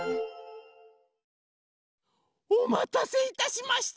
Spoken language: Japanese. おまたせいたしました。